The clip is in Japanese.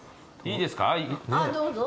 どうぞ。